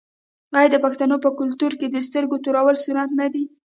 آیا د پښتنو په کلتور کې د سترګو تورول سنت نه دي؟